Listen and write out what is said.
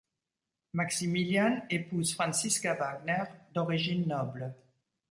Maximilian épouse Franziska Wagner, d'origine noble.